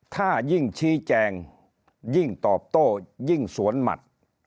ถ้ายิ่งชี้แจงยิ่งตอบโต้ยิ่งสวนหมัด